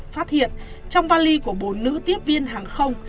phát hiện trong vali của bốn nữ tiếp viên hàng không